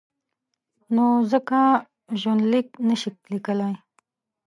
نو ځکه ژوندلیک نشي لیکلای.